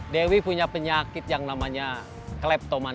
dewi punya penyakit yang namanya kleptoman